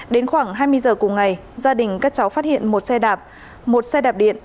đến khoảng hai mươi giờ cùng ngày gia đình các cháu phát hiện một xe đạp một xe đạp điện